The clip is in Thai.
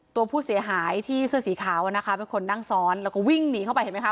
ตัวผู้เสียหายที่เสื้อสีขาวนะคะเป็นคนนั่งซ้อนแล้วก็วิ่งหนีเข้าไปเห็นไหมค